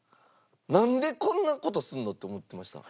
なんでこんな事すんの？って思ってました。